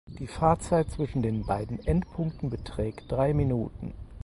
Die Fahrzeit zwischen den beiden Endpunkten beträgt drei Minuten.